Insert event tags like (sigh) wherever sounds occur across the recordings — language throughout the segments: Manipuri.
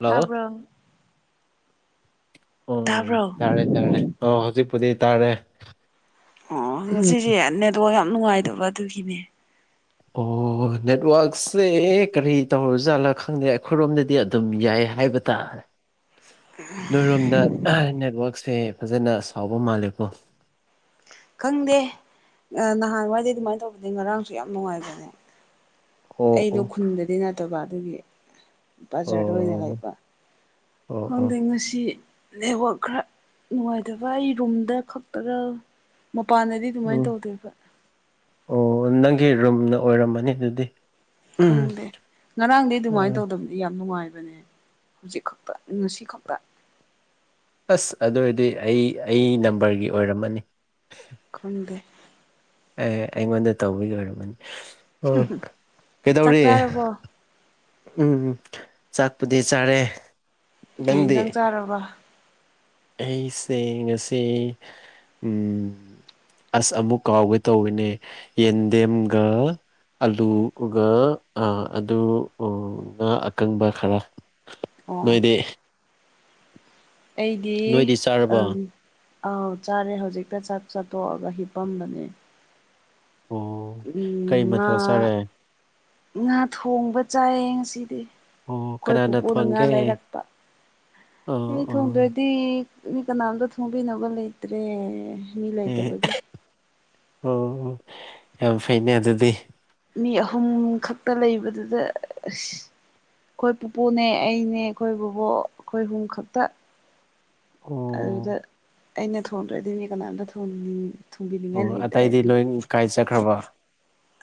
ꯍꯜꯂꯣ ꯇꯥꯕ꯭ꯔꯣ ꯑꯣ ꯇꯥꯕ꯭ꯔꯣ ꯇꯥꯔꯦ ꯇꯥꯔꯦ ꯑꯣ ꯍꯧꯖꯤꯛꯄꯨꯗꯤ ꯇꯥꯔꯦ ꯑꯣ ꯎꯝ ꯉꯁꯤꯁꯦ ꯅꯦꯠꯋꯥꯛ ꯌꯥꯝ ꯅꯨꯡꯉꯥꯏꯇꯕ ꯑꯗꯨꯒꯤꯅꯦ ꯑꯣ ꯅꯦꯠꯋꯛꯁꯦ ꯀꯔꯤ ꯇꯧꯔꯖꯥꯠꯂ ꯈꯪꯗꯦ ꯑꯩꯈꯣꯏꯔꯣꯝꯗꯗꯤ ꯑꯗꯨꯝ ꯌꯥꯏ ꯍꯥꯏꯕ ꯇꯥꯔꯦ ꯅꯣꯏꯔꯣꯝꯗ ꯅꯦꯠꯋꯛꯁꯦ ꯐꯖꯅ ꯁꯥꯎꯕ ꯃꯥꯜꯂꯦꯀꯣ ꯈꯪꯗꯦ ꯅꯍꯥꯟꯋꯥꯏꯗꯤ ꯑꯗꯨꯃꯥꯏꯅ ꯇꯧꯕꯗ ꯉꯔꯥꯡꯁꯨ ꯌꯥꯝ ꯅꯨꯡꯉꯥꯏꯕꯅꯦ ꯑꯣ ꯑꯩꯗꯣ ꯑꯣ ꯈꯨꯟꯗꯗꯤ ꯅꯠꯇꯕ ꯑꯗꯨꯒꯤ ꯕꯖꯥꯔꯗ ꯑꯣꯏꯅ ꯂꯩꯕ ꯑꯣ ꯑꯣ ꯑꯣ ꯈꯪꯗꯦ ꯉꯁꯤ ꯅꯦꯠꯋꯥꯛ ꯈꯔ ꯅꯨꯡꯉꯥꯏꯇꯕ ꯑꯩ ꯔꯨꯝꯗ ꯈꯛꯇꯔ ꯃꯄꯥꯟꯗꯗꯤ ꯑꯗꯨꯃꯥꯏꯅ ꯎꯝ ꯇꯧꯗꯣꯏꯕ ꯑꯣ ꯅꯪꯒꯤ ꯔꯨꯝꯅ ꯑꯣꯏꯔꯝꯃꯅꯤ ꯑꯗꯨꯗꯤ ꯎꯝ ꯈꯪꯗꯦ ꯉꯔꯥꯡꯗꯤ ꯑꯗꯨꯃꯥꯏꯅ ꯑꯣ ꯇꯧꯗꯕꯅꯦ ꯌꯥꯝ ꯅꯨꯡꯉꯥꯏꯕꯅꯦ ꯍꯧꯖꯤꯛ ꯈꯛꯇ ꯉꯁꯤ ꯈꯛꯇ ꯑꯁ ꯑꯗꯨ ꯑꯣꯏꯔꯗꯤ ꯑꯩ ꯑꯩ ꯅꯝꯕꯔꯒꯤ ꯑꯣꯏꯔꯝꯃꯅꯤ ꯈꯪꯗꯦ ꯑꯦ ꯑꯩꯉꯣꯟꯗ ꯇꯧꯕꯒꯤ ꯑꯣꯏꯔꯝꯃꯅꯤ ꯑꯣ ꯆꯥꯛ ꯀꯩꯗꯧꯔꯤ ꯆꯥꯔꯕꯣ ꯎꯝ ꯆꯥꯛꯄꯨꯗꯤ ꯆꯥꯔꯦ ꯀꯩ ꯅꯪꯗꯤ ꯌꯦꯟꯖꯥꯡ ꯆꯥꯔꯕ ꯑꯩꯁꯦ ꯉꯁꯤ ꯑꯁ ꯑꯃꯨꯛ ꯀꯥꯎꯒꯦ ꯇꯧꯋꯤꯅꯦ ꯌꯦꯟꯗꯦꯝꯒ ꯑꯂꯨꯒ ꯑꯗꯨ ꯉꯥ ꯑꯀꯪꯕ ꯈꯔ ꯑꯣ ꯅꯣꯏꯗꯤ ꯑꯩꯒꯤ ꯅꯣꯏꯗꯤ ꯑꯝ ꯆꯥꯔꯕꯣ ꯑꯥꯎ ꯆꯥꯔꯦ ꯍꯧꯖꯤꯛꯇꯥ ꯆꯥꯛ ꯆꯥ ꯇꯣꯛꯑꯒ ꯍꯤꯞꯄꯝꯕꯅꯦ ꯑꯣ ꯀꯩ ꯎꯝ ꯉꯥ ꯃꯊꯦꯜ ꯆꯥꯔꯦ ꯉꯥ ꯊꯣꯡꯕ ꯆꯥꯏꯌꯦ ꯉꯁꯤꯗꯤ ꯑꯣ ꯑꯩꯈꯣꯏ ꯀꯅꯥꯅ ꯄꯨꯄꯣꯛꯅ ꯉꯥ ꯊꯣꯡꯒꯦ ꯂꯩꯔꯛꯄ ꯑꯩ ꯑꯣ ꯑꯣ ꯊꯣꯡꯗ꯭ꯔꯗꯤ ꯃꯤ ꯀꯅꯥꯝꯇ ꯊꯣꯡꯕꯤꯅꯕ ꯂꯩꯇ꯭ꯔꯦ ꯃꯤ ꯑꯦ ꯂꯩꯇꯕꯒꯤ ꯑꯣ ꯌꯥꯝ ꯐꯩꯅꯦ ꯑꯗꯨꯗꯤ ꯃꯤ ꯑꯍꯨꯝ ꯈꯛꯇ ꯂꯩꯕꯗꯨꯗ ꯑꯁ ꯑꯩꯈꯣꯏ ꯄꯨꯄꯨꯅꯦ ꯑꯩꯅꯦ ꯑꯩꯈꯣꯏ ꯕꯕꯣꯛ ꯑꯩꯈꯣꯏ ꯍꯨꯝ ꯈꯛꯇ ꯑꯝ ꯑꯗꯨꯗ ꯑꯩꯅ ꯊꯣꯡꯗ꯭ꯔꯣꯏꯗꯤ ꯃꯤ ꯀꯅꯥꯝꯇ ꯊꯣꯟꯅꯤꯡ ꯑꯣ ꯑꯇꯩꯗꯤ ꯂꯣꯏ ꯀꯥꯏ ꯆꯠꯈ꯭ꯔꯕ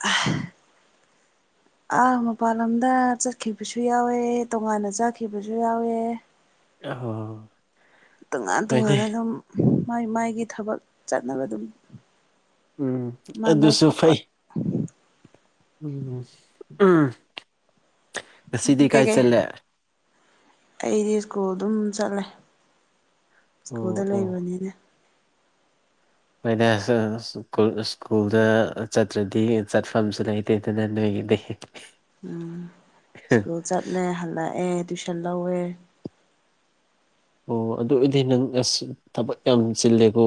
ꯑ (inaudible) ꯑ ꯃꯄꯥꯟ ꯂꯝꯗ ꯆꯠꯈꯤꯕꯁꯨ ꯌꯥꯎꯋꯦ ꯇꯣꯉꯥꯟꯅ ꯆꯠꯈꯤꯕꯁꯨ ꯌꯥꯎꯋꯦ ꯑꯣ ꯇꯣꯉꯥꯟ ꯍꯣꯏꯅꯦ ꯇꯣꯉꯥꯟꯅ ꯑꯗꯨꯝ ꯃꯥꯏ ꯃꯥꯏꯒꯤ ꯊꯕꯛ ꯆꯠꯅꯕ ꯑꯗꯨꯝ ꯎꯝ ꯃꯥꯏ ꯃꯥꯏ ꯑꯗꯨꯁꯨ ꯊꯣꯛꯄ ꯐꯩ ꯎꯝ ꯎꯝ ꯉꯁꯤꯗꯤ ꯀꯥꯏ ꯀꯩꯀꯩ ꯆꯠꯂꯦ ꯑꯩꯗꯤ ꯁ꯭ꯀꯨꯜ ꯗꯨꯝ ꯆꯠꯂꯦ ꯁ꯭ꯀꯨꯜꯗ ꯑꯣ ꯑꯣ ꯂꯩꯕꯅꯤꯅꯦ ꯍꯣꯏꯅꯦ (unintelligible) ꯁ꯭ꯀꯨꯜꯗ ꯆꯠꯇ꯭ꯔꯗꯤ ꯆꯠꯐꯝꯁꯨ ꯂꯩ ꯇꯦꯗꯅ ꯅꯣꯏꯒꯤꯗꯦ ꯎꯝ ꯁ꯭ꯀꯨꯜ ꯆꯠꯂꯦ ꯍꯜꯂꯛꯑꯦ ꯇꯨꯏꯁꯟ ꯂꯧꯋꯦ ꯑꯣ ꯑꯗꯨ ꯑꯣꯏꯗꯤ ꯅꯪ ꯑꯁ ꯊꯕꯛ ꯌꯥꯝ ꯆꯤꯜꯂꯦꯀꯣ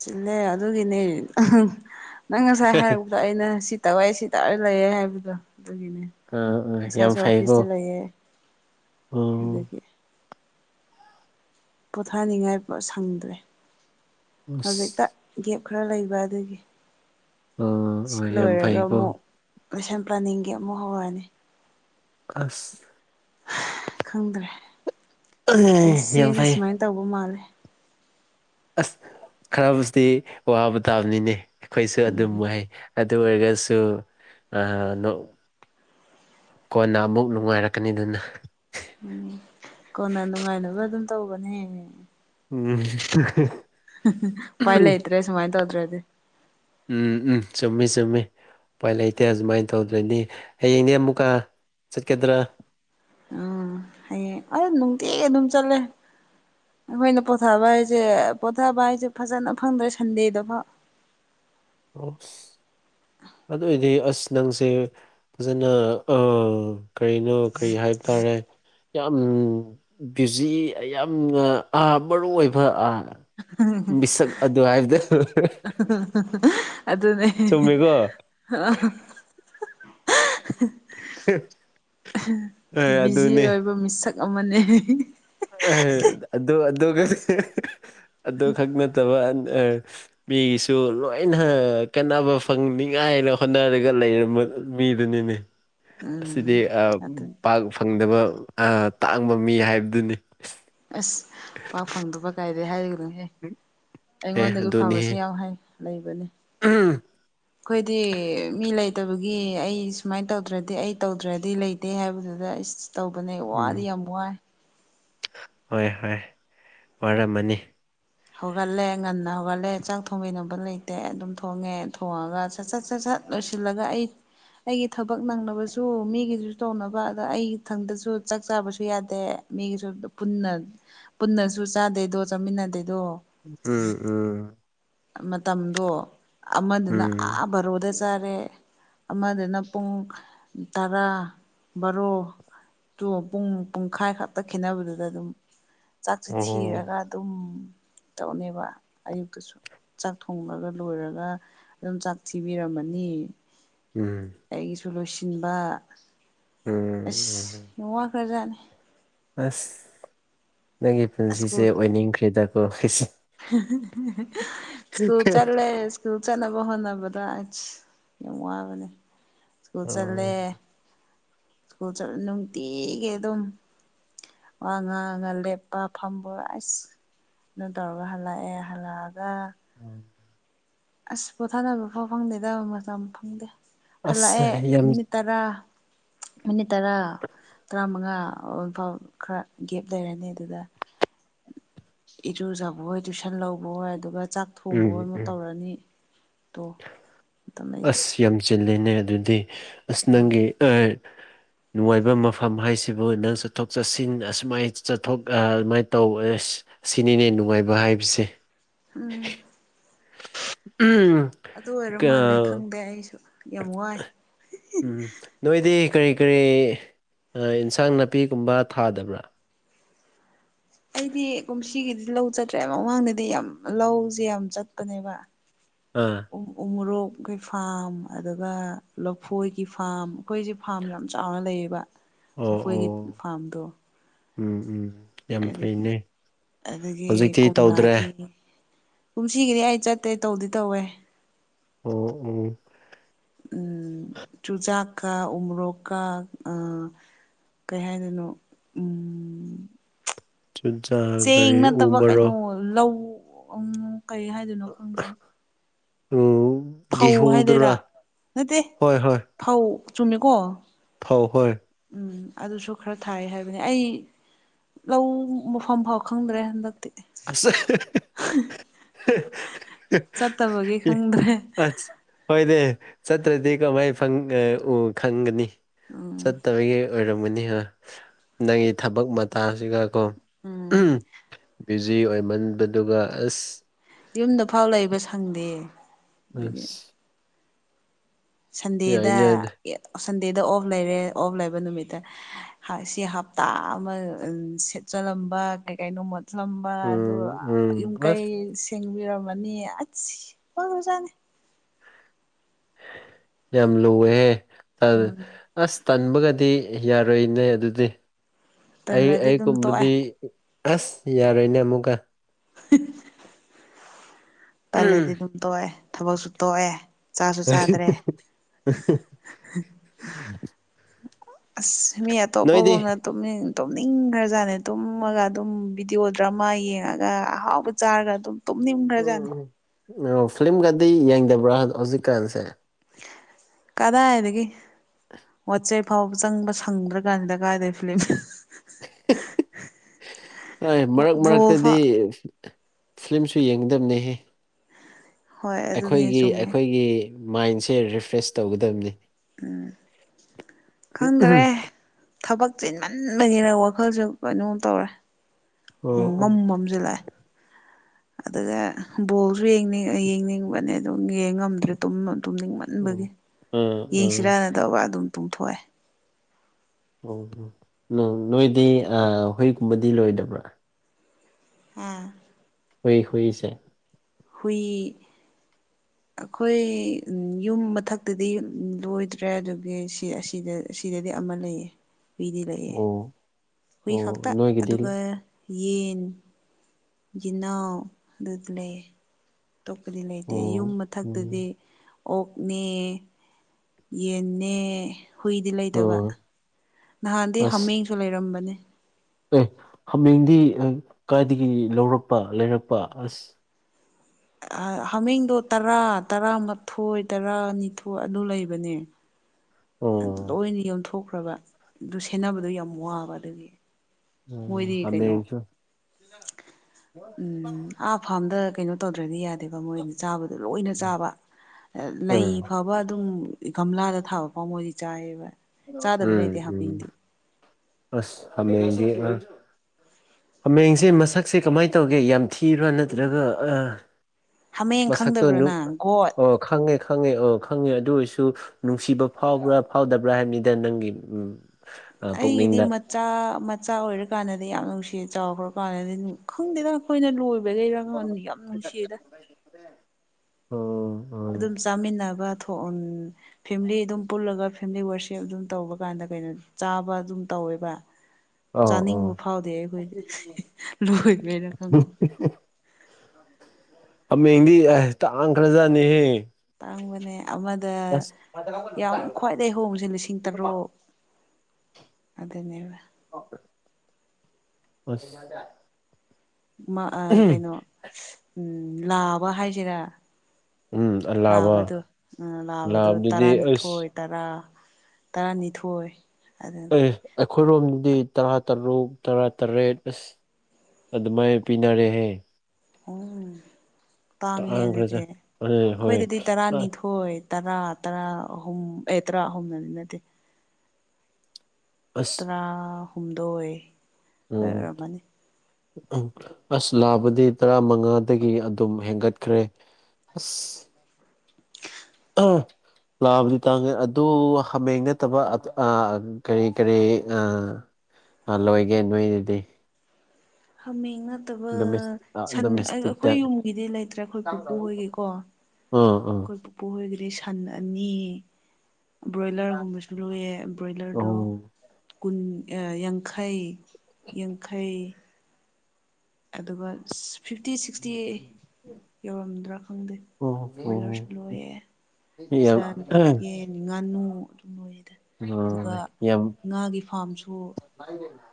ꯆꯤꯜꯂꯦ ꯑꯗꯨꯒꯤꯅꯦ (unintelligible) ꯅꯪ ꯉꯁꯥꯏ ꯍꯥꯏꯔꯄꯗ ꯑꯩꯅ ꯁꯤ ꯇꯋꯥꯏ ꯁꯤ ꯇꯥꯔ ꯂꯩꯌꯦ ꯍꯥꯏꯕꯗꯣ ꯑꯗꯨꯒꯤꯅꯦ ꯑꯥ ꯑꯥ ꯌꯥꯝ ꯉꯁꯥꯏꯁꯨ ꯐꯩꯀꯣ ꯑꯣꯐꯤꯁꯇ ꯂꯩꯌꯦ ꯑꯣ ꯑꯗꯨꯒꯤ ꯄꯣꯊꯥꯅꯤꯡꯉꯥꯏ ꯄꯣ ꯁꯪꯗ꯭ꯔꯦ ꯍꯧꯖꯤꯛꯇ ꯑꯁ ꯒꯦꯞ ꯈꯔ ꯂꯩꯕ ꯑꯗꯒꯤ ꯑꯥ ꯁꯤ ꯑꯥ ꯌꯥꯝ ꯂꯣꯏꯔꯒ ꯐꯩꯀꯣ ꯑꯃꯨꯛ ꯃꯤꯁꯟ ꯄ꯭ꯂꯥꯅꯤꯡꯒꯤ ꯑꯃꯨꯛ ꯍꯧꯔꯅꯤ ꯑꯁ (unintelligible) ꯈꯪꯗ꯭ꯔꯦ ꯌꯥꯝ ꯄꯨꯟꯁꯤꯁꯦ ꯐꯩ ꯁꯨꯃꯥꯏꯅ ꯇꯧꯕ ꯃꯥꯜꯂꯦ ꯑꯁ ꯈꯔꯕꯨꯁꯗꯤ ꯋꯥꯕ ꯇꯥꯕꯅꯤꯅꯦ ꯑꯩꯈꯣꯏꯁꯨ ꯑꯗꯨꯝ ꯎꯝ ꯋꯥꯍꯩ ꯑꯗꯨ ꯑꯣꯏꯔꯒꯁꯨ ꯑ ꯅꯣꯛ ꯀꯣꯟꯅ ꯑꯃꯨꯛ ꯅꯨꯡꯉꯥꯏꯔꯛꯀꯅꯤ ꯗꯅ ꯎꯝ ꯀꯣꯟꯅ ꯅꯨꯡꯉꯥꯏꯅꯕ ꯑꯗꯨꯝ ꯇꯧꯕꯅꯦ ꯎꯝ (unintelligible) ꯄꯥꯏ ꯂꯩ ꯏꯇ꯭ꯔꯦ ꯁꯨꯃꯥꯏꯟ ꯇꯧꯗ꯭ꯔꯥꯗꯤ ꯎꯝ ꯎꯝ ꯆꯨꯝꯃꯦ ꯆꯨꯝꯃꯦ ꯎꯄꯥꯏ ꯂꯩꯇꯦ ꯑꯖꯨꯃꯥꯏꯟ ꯇꯧꯗ꯭ꯔꯅꯤ ꯍꯌꯦꯡꯅꯦ ꯑꯃꯨꯛꯀ ꯆꯠꯀꯗ꯭ꯔꯥ ꯑ ꯍꯌꯦꯡ ꯑꯗꯨ ꯅꯨꯡꯇꯤ ꯑꯗꯨꯝ ꯆꯠꯂꯦ ꯑꯩꯈꯣꯏꯅ ꯄꯣꯊꯥꯕ ꯍꯥꯏꯁꯦ ꯄꯣꯊꯥꯕ ꯍꯥꯏꯁꯦ ꯐꯖꯅ ꯐꯪꯗ꯭ꯔꯦ ꯁꯟꯗꯦꯗꯐꯥꯎ ꯑꯣꯞꯁ ꯑꯗꯨ ꯑꯣꯏꯗꯤ ꯑꯁ ꯅꯪꯁꯦ ꯐꯖꯅ ꯑ ꯀꯔꯤꯅꯣ ꯀꯔꯤ ꯍꯥꯏꯕ ꯇꯥꯔꯦ ꯌꯥꯝ ꯕ꯭ꯌꯨꯖꯤ ꯌꯥꯝꯅ ꯑ ꯃꯔꯨ ꯑꯣꯏꯕ ꯑ ꯃꯤꯁꯛ ꯑꯗꯨ ꯍꯥꯏꯕꯗ (unintelligible) ꯑꯗꯨꯅꯦ ꯆꯨꯝꯃꯦꯀꯣ (unintelligible) (unintelligible) ꯑꯦ ꯕꯤꯖꯤ ꯑꯗꯨꯅꯦ ꯑꯣꯏꯕ ꯃꯤꯁꯛ ꯑꯃꯅꯦ (unintelligible) ꯑ ꯑꯗꯣ ꯑꯗꯣ ꯈꯛ ꯑꯗꯣ ꯈꯛ ꯅꯠꯇꯕ ꯃꯤꯒꯤꯁꯨ ꯂꯣꯏꯅ ꯀꯟꯅꯕ ꯐꯪꯅꯤꯡꯉꯥꯏꯅ ꯍꯣꯠꯅꯔꯒ ꯂꯩꯔꯝꯕ ꯃꯤꯗꯅꯤꯅꯦ ꯑꯁꯤꯗꯤ ꯎꯝ ꯑ ꯑꯗꯨꯅꯤ ꯄꯥꯛ ꯐꯪꯗꯕ ꯑ ꯇꯥꯡꯕ ꯃꯤ ꯍꯥꯏꯕꯗꯨꯅꯤ ꯑꯁ ꯄꯥꯛ ꯐꯪꯗꯕ ꯀꯥꯏꯗꯤ ꯍꯥꯏꯒꯅꯨꯍꯦ ꯑꯦ ꯑꯩꯉꯣꯟꯗꯒꯤ ꯐꯕꯁꯨ ꯑꯗꯨꯅꯤꯍꯦ ꯌꯥꯝ ꯍꯩ ꯂꯩꯕꯅꯤ ꯎꯝ ꯈꯣꯏꯗꯤ ꯃꯤ ꯂꯩꯇꯕꯒꯤ ꯑꯩ ꯁꯨꯃꯥꯏꯟ ꯇꯧꯗ꯭ꯔꯗꯤ ꯑꯩ ꯇꯧꯗ꯭ꯔꯗꯤ ꯂꯩꯇ ꯇꯦ ꯍꯥꯏꯕꯗꯨꯗ ꯏꯁ ꯇꯧꯕꯅꯦ ꯋꯥꯗꯤ ꯌꯥꯝ ꯋꯥꯏ ꯍꯣꯏ ꯍꯣꯏ ꯋꯥꯔꯝꯃꯅꯤ ꯍꯧꯒꯠꯂꯦ ꯉꯟꯅ ꯍꯧꯒꯠꯂꯦ ꯆꯥꯛ ꯊꯣꯡꯕꯤꯅꯕ ꯂꯩꯇꯦ ꯑꯗꯨꯝ ꯊꯣꯡꯉꯦ ꯊꯣꯡꯉꯒ ꯁꯠ ꯁꯠ ꯁꯠ ꯁꯠ ꯂꯣꯏꯁꯤꯜꯂꯒ ꯑꯩ ꯑꯩꯒꯤ ꯊꯕꯛ ꯅꯪꯅꯕꯁꯨ ꯃꯤꯒꯤꯗꯨꯁꯨ ꯇꯧꯅꯕ ꯑꯗ ꯑꯩ ꯏꯊꯪꯗꯁꯨ ꯆꯥꯛ ꯆꯥꯕꯁꯨ ꯌꯥꯗꯦ ꯃꯤꯒꯤꯁꯨ ꯄꯨꯟꯅ ꯄꯨꯟꯅꯁꯨ ꯆꯥꯗꯦꯗꯣ ꯆꯥꯃꯤꯟꯅꯗꯦꯗꯣ ꯎꯝ ꯎꯝ ꯃꯇꯝꯗꯣ ꯑꯃꯗꯨꯅ ꯎꯝ ꯑꯥ ꯚꯔꯣꯗ ꯆꯔꯦ ꯑꯃꯗꯨꯅ ꯄꯨꯡ ꯇꯔꯥ ꯕꯥꯔꯣ ꯇꯒ ꯄꯨꯡ ꯄꯨꯡꯈꯥꯏ ꯈꯛꯇ ꯈꯦꯠꯅꯕꯗꯨꯗ ꯑꯗꯨꯝ ꯆꯥꯛꯁꯦ ꯑꯣ ꯊꯤꯔꯒ ꯑꯗꯨꯝ ꯇꯧꯅꯦꯕ ꯑꯌꯨꯛꯇꯁꯨ ꯆꯥꯛ ꯊꯣꯡꯂꯒ ꯂꯣꯏꯔꯒ ꯑꯗꯨꯝ ꯆꯥꯛ ꯊꯤꯕꯤꯔꯝꯃꯅꯤ ꯎꯝ ꯑꯩꯒꯤꯁꯨ ꯂꯣꯏꯁꯤꯟꯕ ꯎꯝ ꯑꯁ ꯎꯝ ꯌꯥꯝ ꯋꯥ ꯈꯔꯖꯥꯠꯅꯤ ꯑꯁ ꯅꯪꯒꯤ ꯄꯨꯟꯁꯤꯁꯦ ꯑꯣꯏꯅꯤꯡꯈ꯭ꯔꯦꯗꯀꯣ ꯁꯀꯨꯜ ꯆꯠꯂꯦ ꯁ꯭ꯀꯨꯜ ꯆꯠꯅꯕ ꯍꯣꯠꯅꯕꯗ ꯑꯁ ꯌꯥꯝ ꯋꯥꯕꯅꯦ ꯁ꯭ꯀꯨꯜ ꯆꯠꯂꯦ ꯑꯣ ꯁ꯭ꯀꯨꯜ ꯆꯠꯂꯦ ꯅꯨꯡꯇꯤꯒꯤ ꯑꯗꯨꯝ ꯋꯥ ꯉꯥꯡ ꯉꯒ ꯂꯦꯞꯄ ꯐꯝꯕꯣꯏ ꯑꯁ ꯅ ꯇꯧꯔꯒ ꯍꯜꯂꯛꯑꯦ ꯍꯜꯂꯛꯑꯒ (inaudible) ꯑꯁ ꯄꯣꯊꯥꯅꯕ ꯐꯥꯎ ꯐꯪꯗꯦꯗꯕ ꯃꯇꯝ ꯐꯪꯗꯦ ꯑꯁ ꯍꯜꯂꯛꯑꯦ ꯌꯥꯝ ꯃꯤꯅꯤꯠ ꯇꯔꯥ ꯃꯤꯅꯤꯠ ꯇꯔꯥ ꯇꯔꯥꯃꯉꯥꯐꯥ (unintelligible) ꯈꯔ ꯒꯦꯞ ꯂꯩꯔꯅꯤ ꯑꯗꯨꯗ ꯏꯔꯨꯖꯕ ꯍꯣꯏ ꯇꯨꯏꯁꯟ ꯂꯧꯕꯍꯣꯏ ꯑꯗꯨꯒ ꯆꯥꯛ ꯊꯣꯡꯕꯣꯏ ꯎꯝ ꯑꯃꯨꯛ ꯎꯝ ꯇꯧꯔꯅꯤ (unintelligible) ꯑꯁ ꯌꯥꯝ ꯆꯤꯜꯂꯦꯅꯦ ꯑꯗꯨꯗꯤ ꯑꯁ ꯅꯪꯒꯤ ꯑꯩ ꯅꯨꯡꯉꯥꯏꯕ ꯃꯐꯝ ꯍꯥꯏꯁꯤꯕꯨ ꯅꯪ ꯆꯠꯊꯣꯛ ꯆꯠꯁꯤꯟ ꯑꯁꯨꯃꯥꯏ ꯆꯠꯊꯣꯛ ꯑꯗꯨꯃꯥꯏꯅ (unintelligible) ꯇꯧꯕ ꯑꯁꯤꯅꯤꯅꯦ ꯅꯨꯡꯉꯥꯏꯕ ꯍꯥꯏꯕꯁꯦ ꯎꯝ ꯎꯝ ꯑꯗꯨ ꯑꯣꯏꯔ ꯀꯥ ꯃꯥꯜꯂꯦ ꯈꯪꯗꯦ ꯑꯩꯁꯨ ꯌꯥꯝ ꯋꯥꯏ ꯎꯝ ꯅꯣꯏꯗꯤ ꯀꯔꯤ ꯀꯔꯤ ꯏꯟꯁꯥꯡ ꯅꯥꯄꯤꯒꯨꯝꯕ ꯊꯥꯗꯕ꯭ꯔꯥ ꯑꯩꯗꯤ ꯀꯨꯝꯁꯤꯒꯤꯗꯤ ꯂꯧ ꯆꯠꯇ꯭ꯔꯦ ꯃꯃꯥꯡꯗꯗꯤ ꯌꯥꯝ ꯂꯧꯁꯦ ꯌꯥꯝ ꯆꯠꯄꯅꯦꯕ ꯑꯥ ꯎ ꯎꯔꯣꯛꯀꯤ ꯐꯥꯝ ꯑꯗꯨꯒ ꯂꯐꯣꯏꯒꯤ ꯐꯥꯝ ꯑꯩꯈꯣꯏꯁꯦ ꯐꯥꯝ ꯌꯥꯝ ꯆꯥꯎꯅ ꯂꯩꯌꯦꯕ ꯑꯣ ꯑꯣ ꯂꯐꯣꯏꯒꯤ ꯐꯥꯝꯗꯣ ꯎꯝ ꯎꯝ ꯌꯥꯝ ꯑꯗꯒꯤ ꯐꯩꯅꯦ ꯑꯗꯒꯤ ꯍꯧꯖꯤꯛꯇꯤ ꯇꯧꯗ꯭ꯔꯦ ꯀꯣꯝꯂꯥꯒꯤ ꯀꯨꯝꯁꯤꯒꯤꯗꯤ ꯑꯩ ꯆꯠꯇꯦ ꯇꯧꯗꯤ ꯇꯧꯋꯦ ꯑꯣ ꯎꯝ ꯎꯝ ꯆꯨꯖꯥꯛꯀ ꯎꯃꯔꯣꯛꯀ ꯀꯩ ꯍꯥꯏꯗꯣꯏꯅꯣ ꯎꯝ ꯆꯨꯖꯥꯛ ꯆꯦꯡ ꯀꯔꯤ ꯎ ꯅꯠꯇꯕ ꯀꯩꯅꯣ ꯃꯔꯣꯛ ꯂꯧ ꯀꯩ ꯎꯝ ꯍꯥꯏꯗꯣꯏꯅꯣ ꯈꯪꯗꯦ ꯎꯝ ꯐꯧ ꯒꯦꯍꯨꯗꯨꯔꯥ ꯍꯥꯏꯗꯣꯏꯔꯥ ꯅꯠꯇꯦ ꯍꯣꯏ ꯍꯣꯏ ꯐꯧ ꯆꯨꯝꯃꯦꯀꯣ ꯐꯧ ꯍꯣꯏ ꯑꯗꯨꯁꯨ ꯈꯔ ꯊꯥꯏ ꯍꯥꯏꯕꯅꯦ ꯑꯩ ꯂꯧ ꯃꯐꯝ ꯐꯥꯎ ꯈꯪꯗ꯭ꯔꯦ ꯍꯟꯗꯛꯇꯤ ꯑꯁ ꯆꯠꯇꯕꯒꯤ ꯈꯪꯗ꯭ꯔꯦ ꯑꯁ ꯍꯣꯏꯅꯦ ꯆꯠꯇ꯭ꯔꯗꯤ ꯀꯃꯥꯏ ꯐꯪ ꯑꯥ ꯎ ꯈꯪꯒꯅꯤ ꯎꯝ ꯆꯠꯇ꯭ꯔꯒꯤ ꯑꯣꯏꯔꯝꯒꯅꯤ ꯍꯥ ꯅꯪꯒꯤ ꯊꯕꯛ ꯃꯇꯥꯁꯤꯒ ꯀꯣ ꯎꯝ ꯕꯤꯖꯤ ꯑꯣꯏꯃꯟꯕꯗꯨꯒ ꯑꯁ ꯌꯨꯝꯗꯐꯥꯎ ꯂꯩꯕ ꯁꯪꯗꯦ ꯑꯗꯒꯤ ꯑꯁ ꯁꯟꯗꯦꯗ ꯌꯥꯏꯅꯦ ꯑꯗꯨ ꯁꯟꯗꯦꯗ ꯑꯣꯞ ꯂꯩꯔꯦ ꯑꯣꯞ ꯂꯩꯕ ꯅꯨꯃꯤꯠꯇꯥ ꯍ ꯁꯤ ꯍꯞꯇꯥ ꯑꯃ ꯑ ꯁꯦꯠꯆꯜꯂꯝꯕ ꯀꯩ ꯀꯩꯅꯣ ꯃ‌ꯣꯠ (unintelligible) ꯂꯝꯕ ꯑꯗꯨ ꯎꯝ ꯎꯝ ꯌꯨꯝ ꯀꯩ ꯑꯁ ꯁꯦꯡꯕꯤꯔꯝꯃꯅꯤ ꯑꯠꯁ (unintelligible) ꯌꯥꯝ ꯂꯨꯍꯦ ꯎꯝ (unintelligible) ꯑꯁ ꯇꯟꯕꯒꯗꯤ ꯌꯥꯔꯣꯏꯅꯦ ꯑꯗꯨꯗꯤ ꯑꯩ ꯇꯜꯂꯗꯤ ꯑꯗꯨꯝ ꯇꯣꯛꯑꯦ ꯑꯩꯒꯨꯝꯕꯗꯤ ꯑꯁ ꯌꯥꯔꯣꯏꯅꯦ ꯑꯃꯨꯛꯒ ꯇꯜꯂꯗꯤ ꯗꯨꯝ ꯇꯣꯑꯦ ꯊꯕꯛꯁꯨ ꯇꯣꯑꯦ ꯆꯥꯁꯨ ꯆꯥꯗ꯭ꯔꯦ (unintelligible) ꯑꯁ ꯃꯤ ꯅꯣꯏꯗꯤ ꯑꯇꯣꯄꯒꯨꯝꯅ ꯇꯨꯝꯅꯤꯡ ꯇꯨꯝꯅꯤꯡꯈ꯭ꯔꯖꯥꯠꯅꯦ ꯇꯨꯝꯃꯒ ꯑꯗꯨꯝ ꯚꯤꯗꯤꯑꯣ ꯗ꯭ꯔꯃꯥ ꯌꯦꯡꯉꯒ ꯑꯍꯥꯎꯕ ꯆꯥꯔꯒ ꯗꯨꯝ ꯇꯨꯝꯅꯤꯡꯒ꯭ꯔꯖꯥꯠꯅ‌ꯦ ꯑꯣ ꯐꯤꯜꯝꯒꯗꯤ ꯌꯦꯡꯗꯕ꯭ꯔꯥ ꯍ‌ꯧꯖꯤꯛꯀꯥꯟꯁꯦ ꯀꯗꯥꯏꯗꯒꯤ ꯋꯥꯠꯆꯦꯞ ꯐꯥꯎꯕ ꯆꯪꯕ ꯁꯪꯗ꯭ꯔꯀꯥꯟꯖꯤꯗ ꯀꯥꯏꯗꯩ ꯐꯤꯜꯝ ꯍꯣꯏ ꯃꯔꯛ ꯕꯣꯜ ꯃꯔꯛꯇꯗꯤ ꯐꯥꯎ ꯐꯤꯂꯝꯁꯨ ꯌꯦꯡꯒꯗꯕꯅꯦꯍꯦ ꯍꯣꯏ ꯑꯗꯨꯅꯦ ꯑꯩꯈꯣꯏꯒꯤ ꯆꯨꯝꯃꯦ ꯑꯩꯈꯣꯏꯒꯤ ꯃꯥꯏꯟꯁꯦ ꯔꯤꯐ꯭ꯔꯦꯁ ꯇꯧꯒꯗꯕꯅꯤ ꯎꯝ ꯈꯪꯗ꯭ꯔꯦ ꯊꯕꯛ ꯆꯤꯟꯃꯟꯕꯒꯤꯔ ꯋꯥꯈꯜꯖꯨ ꯀꯩꯅꯣꯝ ꯇꯧꯔꯦ ꯎꯝ ꯄꯨꯡꯃꯝ ꯃꯝꯖꯤꯜꯂ‌ꯦ ꯑꯗꯨꯒ ꯕꯣꯜꯁꯨ ꯌꯦꯡꯅꯤꯡ ꯌꯦꯡꯅꯤꯡꯕꯅꯦ ꯑꯗꯨꯝ ꯌꯦꯡ ꯉꯝꯗ꯭ꯔꯦ ꯇꯨꯝꯃ ꯇꯨꯝꯅꯤꯡꯃꯟ ꯕꯒꯤ ꯑꯥ ꯑꯥ ꯌꯦꯡꯁꯤꯔꯥꯅ ꯇꯧꯕ ꯑꯗꯨꯝ ꯇꯨꯝꯊ‌ꯣꯑꯦ ꯑꯣ ꯅꯪ ꯅꯣꯏꯗꯤ ꯑ ꯍꯨꯏꯒꯨꯝꯕꯗꯤ ꯂꯣꯏꯗꯕ꯭ꯔꯥ ꯎꯝ ꯍꯣꯏ ꯍꯨꯏꯁꯦ ꯍꯨꯏ (unintelligible) ꯑꯈꯣꯏ ꯌꯨꯝ ꯎꯝ ꯃꯊꯛꯇꯗꯤ ꯂꯣꯏꯗ꯭ꯔꯦ ꯑꯗꯨꯒꯤ ꯁꯤ ꯑꯁꯤꯗ ꯑꯁꯤꯗꯗꯤ ꯑꯃ ꯂꯩꯌꯦ ꯍꯨꯏꯗꯤ ꯂꯩꯌꯦ ꯑꯣ ꯍꯨꯏ ꯑꯣ ꯈꯛꯇ ꯅꯣꯏꯒꯤꯗꯤ ꯑꯗꯨꯒ ꯌꯦꯟ ꯌꯦꯅꯥꯎ ꯑꯗꯨꯗꯤ ꯂꯩ ꯑꯇꯣꯞꯄꯗꯤ ꯂꯩꯇꯦ ꯌꯨꯝ ꯑꯣ ꯎꯝ ꯃꯊꯛꯇꯗꯤ ꯑꯣꯛꯅꯦ ꯌꯦꯟꯅꯦ ꯍꯨꯏꯗꯤ ꯂꯩꯗꯕ ꯑꯥ ꯅꯍꯥꯟꯗꯤ ꯑꯁ ꯍꯥꯃꯦꯡꯁꯨ ꯂꯩꯔꯝꯕꯅꯦ ꯑꯦ ꯍꯥꯃꯦꯡꯗꯤ ꯀꯥꯏꯗꯒꯤ ꯂꯧꯔꯛꯄ ꯂꯩꯔꯛꯄ ꯑꯁ ꯑ ꯍꯥꯃꯦꯡꯗꯣ ꯇꯔꯥ ꯇꯔꯥꯃꯥꯊꯣꯏ ꯇꯔꯥꯅꯤꯊꯣꯏ ꯑꯗꯨ ꯂꯩꯕꯅꯦ ꯑꯗꯨ ꯑꯣ ꯂꯣꯏꯅ ꯌꯣꯟꯊꯣꯛꯈ꯭ꯔꯕ ꯑꯗꯨ ꯁꯦꯟꯅꯕꯗꯨ ꯌꯥꯝ ꯋꯥꯕ ꯑꯗꯨꯒꯤ ꯃꯣꯏꯗꯤ ꯀꯩꯅꯣ ꯍꯥꯃꯦꯡꯁꯨ ꯎꯝ ꯑꯥ ꯐꯥꯝꯗ ꯀꯩꯅꯣ ꯇꯧꯗ꯭ꯔꯗꯤ ꯌꯥ ꯗꯦꯕ ꯃꯣꯏꯗꯤ ꯆꯥꯕꯗꯣ ꯂꯣꯏꯅ ꯎꯝ ꯆꯥꯕ ꯑ ꯂꯩꯐꯥꯎꯕ ꯑꯗꯨꯝ ꯒꯝꯂꯥꯗ ꯊꯥꯕ ꯐꯥꯎꯕ ꯃꯣꯏꯗꯤ ꯆꯥꯏꯕ ꯎꯝ ꯎꯝ ꯑꯁ ꯍꯥꯃꯦꯡꯗꯤ (unintelligible) ꯍꯥꯃꯦꯡꯁꯦ ꯃꯁꯛꯁꯦ ꯀꯃꯥꯏ ꯇꯧꯒꯦ ꯌꯥꯝ ꯊꯤꯕ꯭ꯔꯥ ꯅꯠꯇ꯭ꯔꯒ ꯑ ꯍꯥꯃꯦꯡ ꯃꯁꯛꯇꯣ ꯈꯪꯗꯕ꯭ꯔꯥ ꯅꯨꯞ ꯅꯪ ꯒꯣꯠ ꯑꯣ ꯈꯪꯉꯦ ꯈꯪꯉꯦ ꯑꯣ ꯈꯪꯉꯦ ꯑꯗꯨ ꯑꯣꯏꯁꯨ ꯅꯨꯡꯁꯤꯕ ꯐꯥꯎꯕ꯭ꯔꯥ ꯐꯥꯎꯗꯕ꯭ꯔꯥ ꯍꯥꯏꯝꯃꯤꯗ ꯅꯪꯒꯤ ꯎꯝ ꯑ ꯑꯩꯒꯤꯗꯤ ꯄꯨꯛꯅꯤꯡꯗ ꯃꯠ ꯆꯥ ꯃꯆꯥ ꯑꯣꯏꯔ ꯀꯥꯟꯗꯗꯤ ꯌꯥꯝ ꯅꯨꯡꯁꯤ ꯆꯥꯎꯈꯔ ꯀꯥꯟꯗꯗꯤ ꯅꯨꯛ ꯈꯪꯗꯦꯗ ꯑꯩꯈꯣꯏꯅ ꯂꯣꯏꯕ ꯕꯔꯩꯔ ꯈꯪꯗꯦ ꯌꯥꯝ ꯅꯨꯡꯁꯤꯗ (unintelligible) ꯎꯝ ꯍꯣꯏ ꯑꯗꯨꯝ ꯆꯥꯃꯤꯟꯅꯕ ꯊꯣꯟ ꯎꯝ ꯐꯦꯃꯤꯂꯤ ꯑꯗꯨꯝ ꯄꯨꯜꯂꯒ ꯐꯦꯃꯤꯂꯤ ꯋꯔꯁꯤꯞ ꯑꯗꯨꯝ ꯇꯧꯕ ꯀꯥꯟꯗ ꯀꯩꯅꯣ ꯆꯥꯕ ꯑꯗꯨꯝ ꯇꯧꯋꯦꯕ ꯑꯧ ꯑꯧ ꯆꯥꯅꯤꯡꯕ ꯐꯥꯎꯗꯦ ꯑꯩꯈꯣꯏꯗꯤ ꯂꯣꯏꯒ꯭ꯔꯤꯔ ꯈꯪꯗꯦ ꯍꯥꯃꯦꯡꯗꯤ ꯑ ꯇꯥꯡꯈ꯭ꯔꯖꯥꯠꯅꯤꯍꯦ ꯇꯥꯡꯕꯅꯦ ꯑꯃ ꯗ ꯑꯁ ꯌꯥꯝ ꯈ꯭ꯋꯥꯏꯗꯩ ꯍꯣꯡꯕꯁꯦ ꯂꯤꯁꯤꯡ ꯇꯔꯨꯛ ꯑꯗꯨꯅꯦꯕ (inaudible) ꯑꯁ ꯃꯥꯑ ꯀꯩꯅꯣ ꯎꯝ ꯂꯥꯕ ꯍꯥꯏꯁꯤꯔꯥ ꯎꯝ ꯑꯂꯥꯕ ꯂꯥꯕꯗꯣ ꯎꯝ ꯂꯥꯕꯗ ꯂꯥꯕꯗꯨꯗꯤ ꯇꯔꯥꯅꯤꯊꯣꯏ ꯑꯁ ꯇꯔꯥ ꯇꯔꯥꯅꯤꯊꯣꯏ ꯑꯗꯨꯅꯦ ꯑꯦ ꯑꯩꯈꯣꯏꯔꯣꯝꯗꯗꯤ ꯇꯔꯥ ꯇꯔꯨꯛ ꯇꯔꯥ ꯇꯔꯦꯠ ꯑꯁ ꯑꯗꯨꯃꯥꯏ ꯄꯤꯅꯔꯦꯍꯦ ꯎꯝ ꯇꯥꯡꯉꯦꯍꯦ ꯑꯗꯨꯗꯤ ꯇꯥꯡꯈ꯭ꯔꯁꯦ ꯑꯦ ꯍꯣꯏ ꯑꯩꯈꯣꯏꯗꯗꯤ ꯇꯔꯥꯅꯤꯊꯣꯏ ꯇꯔꯥ ꯇꯔꯥ ꯑꯍꯨꯝ ꯑꯦ ꯇꯔꯥ ꯑꯍꯨꯝꯗꯗꯤ ꯅꯠꯇꯦ ꯑꯁ ꯑꯥ ꯍꯨꯝꯗꯣꯏ ꯎꯝ ꯑꯁ ꯂꯥꯕꯗꯤ ꯇꯔꯥ ꯃꯉꯥꯗꯒꯤ ꯑꯗꯨꯝ ꯍꯦꯟꯒꯠꯈ꯭ꯔꯦ ꯑꯁ ꯂꯥꯕꯗꯤ ꯇꯥꯡꯉꯦ ꯑꯗꯣ ꯍꯥꯃꯦꯡ ꯅꯠꯇꯕ ꯑꯗ ꯑ ꯀꯔꯤ ꯀꯔꯤ ꯑ ꯑ ꯂꯣꯏꯒꯦ ꯅꯣꯏꯗꯗꯤ ꯍꯥꯃꯦꯡ ꯅꯠꯇꯕ ꯁꯟ ꯑꯩ ꯗꯣꯃꯦꯁꯇꯤꯛꯇ ꯑꯩꯈꯣꯏ ꯌꯨꯝꯒꯤꯗꯤ ꯂꯩꯇ꯭ꯔꯦ ꯑꯩꯈꯣꯏ ꯄꯨꯄꯨ ꯍꯣꯏꯒꯤꯀꯣ ꯑꯥ ꯑ ꯑꯩꯈꯣꯏ ꯄꯨꯄꯨ ꯍꯣꯏꯒꯤꯗꯤ ꯁꯟ ꯑꯅꯤ ꯕ꯭ꯔꯣꯏꯂꯔ ꯒꯨꯝꯕꯁꯨ ꯂꯣꯏꯌꯦ ꯕ꯭ꯔꯣꯏꯂꯔꯗꯣ ꯑꯣ ꯀꯨꯟ ꯑ ꯌꯥꯡꯈꯩ ꯌꯥꯡꯈꯩ ꯑꯗꯨꯒ ꯐꯤꯐꯇꯤ ꯁꯤꯛꯁꯇꯤ ꯌꯧꯔꯝꯗ꯭ꯔꯥ ꯈꯪꯗꯦ ꯑꯣ ꯑꯣ ꯕꯣꯏꯂꯔꯁꯨ ꯂꯣꯏꯌꯦ ꯌꯥꯝ ꯁꯟ ꯌꯦ ꯉꯥꯅꯨ ꯑꯗꯨꯝ ꯂꯣꯏꯌꯦꯗ ꯑꯗꯨꯒ ꯍꯣꯏ ꯌꯥꯝ ꯉꯥꯒꯤ ꯐꯥꯔꯝꯁꯨ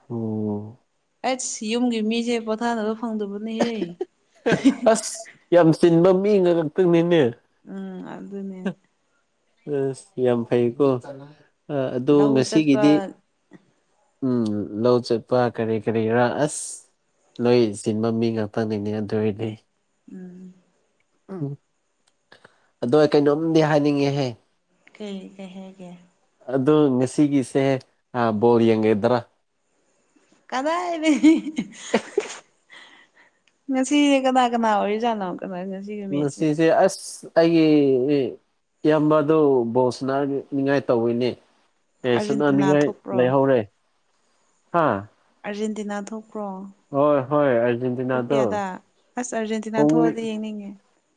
ꯎꯝ ꯑꯩꯁ ꯌꯨꯝꯒꯤ ꯃꯤꯁꯦ ꯄꯣꯊꯥꯅꯕ ꯐꯪꯗꯕꯅꯤꯌꯦ ꯑꯁ ꯌꯥꯝ ꯆꯤꯟꯕ ꯃꯤꯅ ꯉꯛꯇꯅꯤꯅꯦ ꯎꯝ ꯑꯗꯨꯅꯦ ꯑꯁ ꯌꯥꯝ ꯐꯩꯀꯣ ꯑ ꯑꯗ ꯂꯧ ꯆꯠꯄ ꯉꯁꯤꯒꯤꯗꯤ ꯎꯝ ꯂꯧ ꯆꯠꯄ ꯀꯔꯤ ꯀꯔꯤ ꯔꯥ ꯑꯁ ꯂꯣꯏ ꯆꯤꯟꯕ ꯃꯤ ꯉꯥꯛꯇꯅꯤꯅꯦ ꯑꯗꯨ ꯑꯣꯏꯗꯤ ꯎꯝ ꯎꯝ ꯑꯗꯣ ꯀꯩꯅꯣꯝꯗꯤ ꯍꯥꯏꯅꯤꯡꯉꯦꯍꯦ ꯀꯩ ꯀꯩ ꯍꯥꯏꯒꯦ ꯑꯗꯣ ꯉꯁꯤꯒꯤꯁꯦ ꯑꯥ ꯕꯣꯜ ꯌꯦꯡꯒ‌ꯦꯗ꯭ꯔꯥ ꯀꯗꯥꯏ ꯗꯩ ꯉꯁꯤ ꯀꯅꯥ ꯀꯅꯥ ꯑꯣꯏꯔꯤꯖꯅ‌ꯣ (unintelligible) ꯃꯠꯁꯤꯁꯦ ꯑꯁ ꯑꯩꯒꯤ ꯏꯌꯥꯝꯕ ꯑꯗꯨ ꯕꯣꯜꯁꯅ ꯅꯤꯡꯉꯥꯏ ꯇꯧꯋꯤꯅꯦ ꯑꯦ ꯁꯅꯥ ꯑꯥꯔꯖꯦꯟꯇꯤꯅꯥ ꯅꯤꯡꯉꯥꯏ ꯊꯣꯛꯄ꯭ꯔꯣ ꯂꯩꯍꯧꯔꯦ ꯍꯥ ꯑꯥꯔꯖꯦꯟꯇꯤꯅꯥ ꯊꯣꯛꯄ꯭ꯔꯣ ꯍꯣꯏ ꯍꯣꯏ ꯄꯨꯡ ꯀꯌꯥꯗ ꯑꯥꯔꯖꯦꯟꯇꯤꯅꯥꯗꯣ ꯑꯁ ꯑꯔꯖꯦꯟꯇꯤꯅꯥ ꯄꯨꯡ ꯊꯣꯛꯑꯗꯤ ꯌꯦꯡꯅꯤꯡꯉꯦ